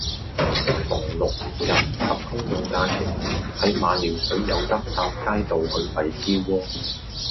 適逢六、日及公眾假期，喺馬料水有得搭街渡去荔枝窩